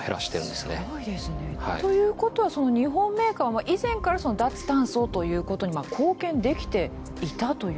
すごいですね。ということは日本メーカーは以前から脱炭素ということに貢献できていたという。